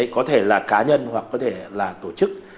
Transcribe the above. có thể là cá nhân hoặc có thể là tổ chức